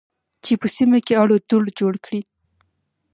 چې په سیمه کې اړو دوړ جوړ کړي